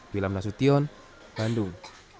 wilam nasution bandung